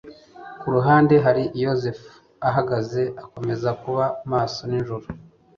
ku ruhande hari yozefu ahagaze, akomeza kuba maso nijoro